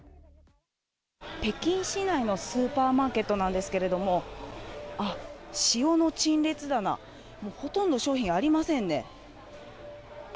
北京市内のスーパーマーケットなんですけれども、塩の陳列棚、もうほとんど商品ありませんね。